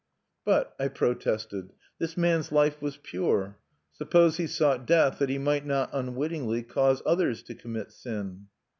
"But," I protested, "this man's life was pure.... Suppose he sought death that he might not, unwittingly, cause others to commit sin?"